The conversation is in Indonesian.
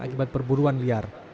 akibat perburuan liar